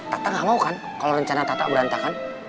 tata gak mau kan kalau rencana tata berantakan